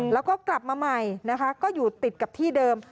แล้วก็กลับมาใหม่นะคะก็อยู่ติดกับที่เดิม